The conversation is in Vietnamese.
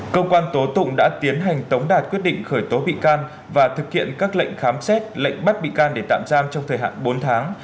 cơ quan tố tụng đã tiến hành tống đạt quyết định khởi tố bị can và thực hiện các lệnh khám xét lệnh bắt bị can để tạm giam trong thời hạn bốn tháng